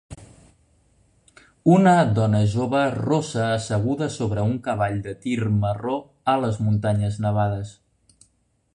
Una dona jove rossa asseguda sobre un cavall de tir marró a les muntanyes nevades.